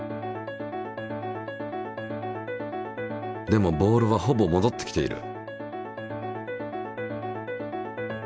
でもボールはほぼ戻ってきている。